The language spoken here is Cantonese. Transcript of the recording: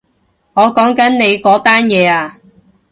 我講緊你嗰單嘢啊